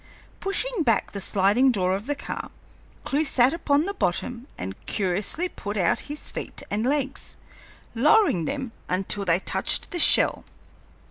Pushing back the sliding door of the car, Clewe sat upon the bottom and cautiously put out his feet and legs, lowering them until they touched the shell.